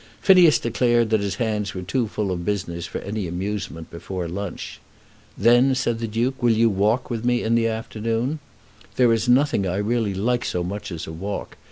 Phineas declared that his hands were too full of business for any amusement before lunch. "Then," said the Duke, "will you walk with me in the afternoon? There is nothing I really like so much as a walk.